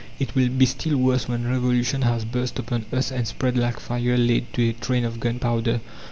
It will be still worse when Revolution has burst upon us and spread like fire laid to a train of gunpowder.